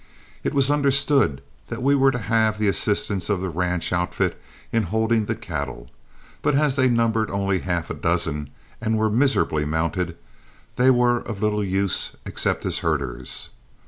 It was understood that we were to have the assistance of the ranch outfit in holding the cattle, but as they numbered only half a dozen and were miserably mounted, they were of little use except as herders.